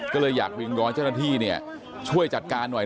ก็เลยอยากวิงวอนเจ้าหน้าที่เนี่ยช่วยจัดการหน่อย